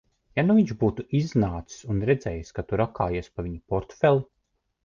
Ja nu viņš būtu iznācis un redzējis, ka tu rakājies pa viņa portfeli?